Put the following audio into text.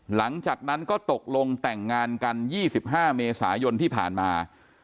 หลังจากนั้นก็ตกลงแต่งงานกัน๒๕เมษายนที่ผ่านมา